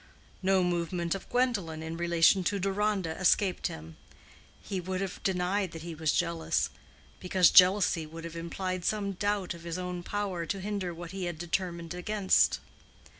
No movement of Gwendolen in relation to Deronda escaped him. He would have denied that he was jealous; because jealousy would have implied some doubt of his own power to hinder what he had determined against.